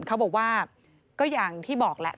เขาบอกว่าก็อย่างที่บอกแหละ